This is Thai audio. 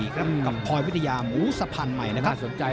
กับพลอยวิดยาหมูสะพานใหม่นะครับ